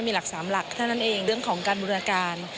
มีหลัก๓หลักเท่านั้นเองเรื่องของการบูรการ